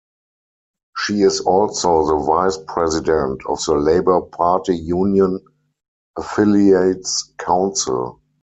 She is also the Vice-President of the Labour Party Union Affiliates Council.